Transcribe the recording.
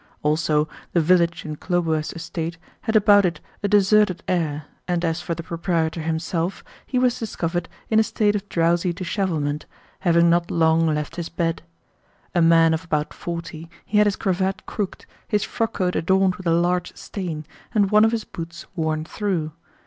Also, the village in Khlobuev's estate had about it a deserted air, and as for the proprietor himself, he was discovered in a state of drowsy dishevelment, having not long left his bed. A man of about forty, he had his cravat crooked, his frockcoat adorned with a large stain, and one of his boots worn through.